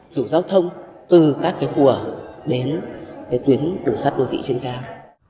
kiểu giao thông từ các cái của đến cái tuyến đường sắt đô thị trên cao